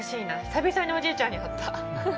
久々におじいちゃんに会った。